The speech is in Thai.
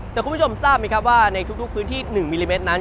แต่คุณผู้ชมทราบไหมครับว่าในทุกพื้นที่๑มิลลิเมตรนั้น